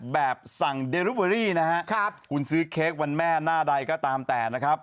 แบบสั่งเดรุเวอรี่นะฮะคุณซื้อเค้กวันแม่หน้าใดก็ตามแต่นะครับ